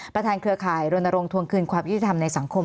เครือข่ายรณรงควงคืนความยุติธรรมในสังคม